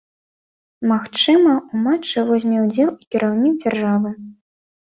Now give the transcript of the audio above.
Магчыма, у матчы возьме ўдзел і кіраўнік дзяржавы.